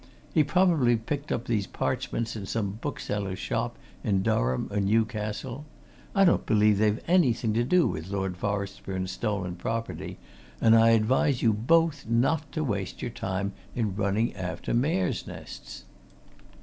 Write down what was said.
He probably picked up these parchments in some book seller's shop in Durham or Newcastle. I don't believe they've anything to do with Lord Forestburne's stolen property, and I advise you both not to waste time in running after mare's nests."